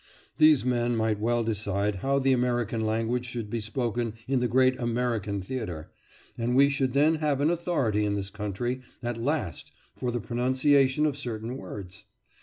These men might well decide how the American language should be spoken in the great American theatre, and we should then have an authority in this country at last for the pronunciation of certain words.